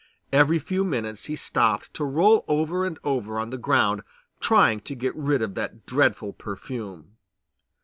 Every few minutes he stopped to roll over and over on the ground trying to get rid of that dreadful perfume.